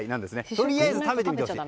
とりあえず食べてみてほしい。